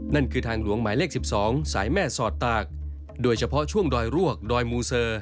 นั่นคือทางหลวงหมายเลข๑๒สายแม่สอดตากโดยเฉพาะช่วงดอยรวกดอยมูเซอร์